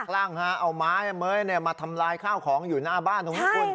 ล่างฮะเอาไม้เม้ยเนี่ยมาทำลายข้าวของอยู่หน้าบ้านนะครับทุกคน